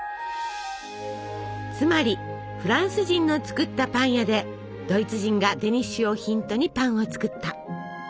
つまりフランス人の作ったパン屋でドイツ人がデニッシュをヒントにパンを作った。